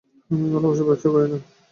আমি ভালবাসার ব্যবসা করি না।